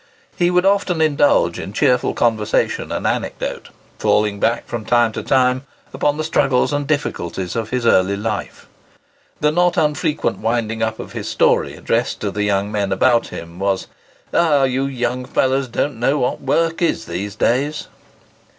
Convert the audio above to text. He would often indulge in cheerful conversation and anecdote, falling back from time to time upon the struggles and difficulties of his early life. The not unfrequent winding up of his story addressed to the young men about him, was, "Ah! ye young fellows don't know what wark is in these days!"